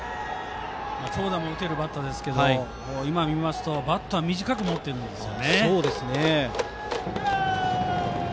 長打も打てるバッターですけど今、見ますとバットを短く持っていました。